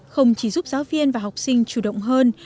không chỉ giúp giáo viên và học sinh chủ động hơn